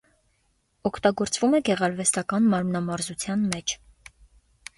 Օգտագործվում է գեղարվեստական մարմնամարզության մեջ։